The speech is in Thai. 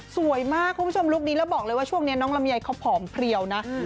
สวยมากคุณผู้ชมลุคนี้แล้วบอกเลยว่าช่วงนี้น้องลำไยเขาผอมเพลียวนะ